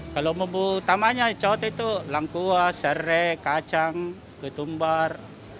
kalau membunuh utamanya coto itu langkuas serai kacang ketumbar